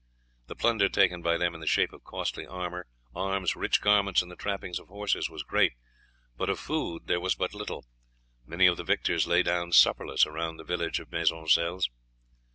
The plunder taken by them in the shape of costly armour, arms, rich garments, and the trappings of horses, was great; but of food there was but little, many of the victors lay down supperless around the village of Maisoncelles.